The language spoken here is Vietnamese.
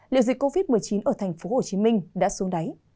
liệu dịch covid một mươi chín ở tp hcm đã xuống đáy